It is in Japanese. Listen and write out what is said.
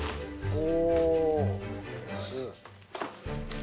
お。